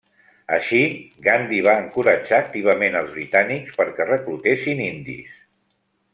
Així, Gandhi va encoratjar activament als britànics perquè reclutessin indis.